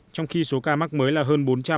trong khi số ca mắc mới là hơn bốn trăm linh